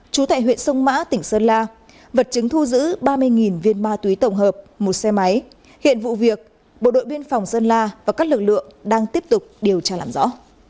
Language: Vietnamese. chú tại huyện sông mã tỉnh sơn la vật chứng thu giữ ba mươi viên ma túy tổng hợp một xe máy hiện vụ việc bộ đội biên phòng sơn la và các lực lượng đang tiếp tục điều tra làm rõ